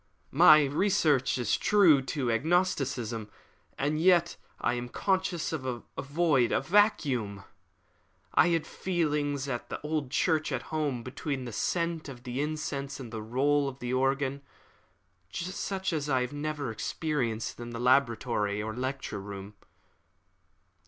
"My reason is true to agnosticism, and yet I am conscious of a void a vacuum. I had feelings at the old church at home between the scent of the incense and the roll of the organ, such as I have never experienced in the laboratory or the lecture room."